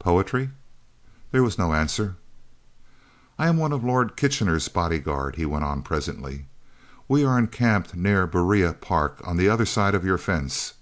"Poetry?" There was no answer. "I am one of Lord Kitchener's body guard," he went on presently. "We are encamped near Berea Park on the other side of your fence.